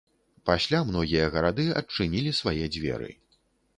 Пасля, многія гарады адчынілі свае дзверы.